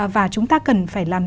và chúng ta cần phải làm gì